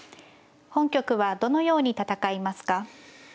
本局はどのように戦いますか。